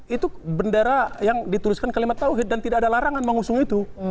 itu bendera yang dituliskan kalimat tawhid dan tidak ada larangan mengusung itu